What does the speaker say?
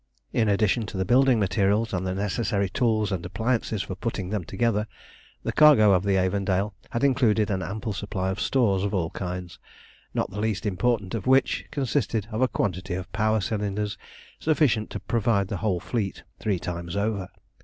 In addition to the building materials and the necessary tools and appliances for putting them together, the cargo of the Avondale had included an ample supply of stores of all kinds, not the least important part of which consisted of a quantity of power cylinders sufficient to provide the whole fleet three times over.